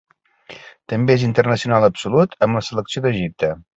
També és internacional absolut amb la selecció d'Egipte.